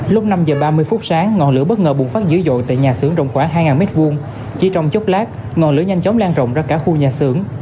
lúc năm h ba mươi phút sáng ngọn lửa bất ngờ bùng phát dữ dội tại nhà xưởng rộng khoảng hai m hai chỉ trong chốc lát ngọn lửa nhanh chóng lan rộng ra cả khu nhà xưởng